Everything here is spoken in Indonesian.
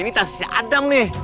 ini tas si adam nih